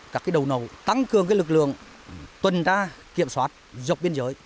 các đầu nầu tăng cường lực lượng tuần ra kiểm soát dọc biên giới